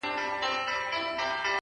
د نوم له سيـتاره دى لـوېـدلى،